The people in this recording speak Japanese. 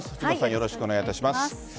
よろしくお願いします。